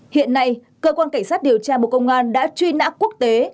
hiện nay cơ quan cảnh sát điều tra bộ công an đã truy nã quốc tế